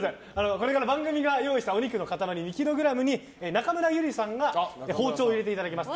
これから番組が用意したお肉の塊２ｋｇに、中村ゆりさんが包丁を入れていただきます。